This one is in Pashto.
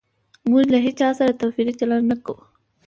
موږ له هيچا سره توپيري چلند نه کوو